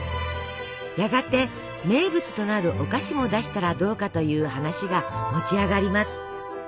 やがて名物となるお菓子も出したらどうかという話が持ち上がります。